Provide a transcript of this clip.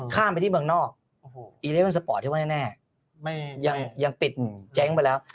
ข้ามไปที่เมืองนอกอีเลมันสปอร์ตที่ว่าแน่ยังปิดเจ๊งไปแล้ว